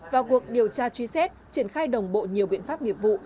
vào cuộc điều tra truy xét triển khai đồng bộ nhiều biện pháp nghiệp vụ